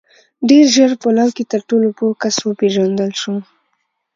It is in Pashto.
• ډېر ژر په لو کې تر ټولو پوه کس وپېژندل شو.